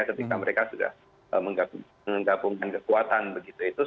ketika mereka sudah menggabungkan kekuatan begitu